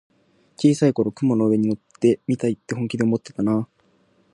小さい頃、雲の上に乗ってみたいって本気で思ってたなあ。